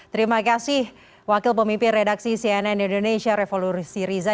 terima kasih wakil pemimpin redaksi cnn indonesia revolusi riza